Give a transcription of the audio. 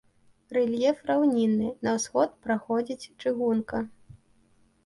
Рэльеф раўнінны, на ўсход праходзіць чыгунка.